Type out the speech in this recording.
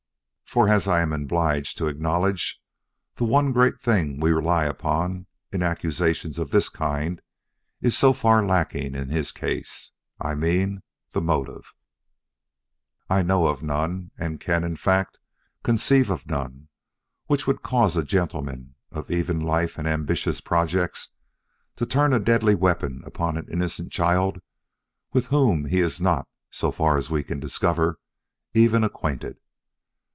For, as I am obliged to acknowledge, the one great thing we rely upon, in accusations of this kind, is so far lacking in his case: I mean, the motive. "I know of none can, in fact, conceive of none which would cause a gentleman of even life and ambitious projects to turn a deadly weapon upon an innocent child with whom he is not, so far as we can discover, even acquainted.